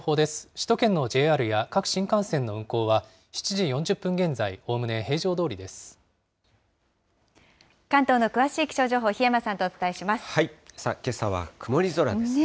首都圏のＪＲや各新幹線の運行は、７時４０分現在、関東の詳しい気象情報、さあ、けさは曇り空ですね。